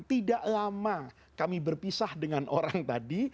tidak lama kami berpisah dengan orang tadi